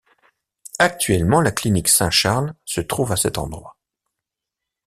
Actuellement la clinique Saint-Charles se trouve à cet endroit.